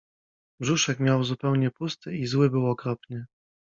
Brzuszek miał zupełnie pusty i zły był okropnie.